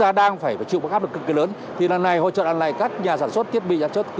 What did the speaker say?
ta phải phải chịu bất áp được cực kỳ lớn thì lần này hỗ trợ này các nhà sản xuất thiết bị sản xuất